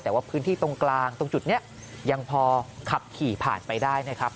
แต่ว่าพื้นที่ตรงกลางตรงจุดนี้ยังพอขับขี่ผ่านไปได้นะครับ